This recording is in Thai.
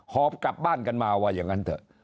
หอบกลับบ้านกันมาว่าอย่างนั้นเถอะ